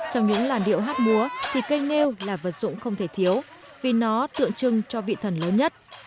trong những làn điệu hát múa thì cây nêu là vật dụng không thể thiếu vì nó tượng trưng cho vị thần lớn nhất